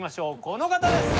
この方です。